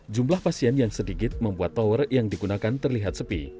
jumlah pasien yang sedikit membuat tower yang digunakan terlihat sepi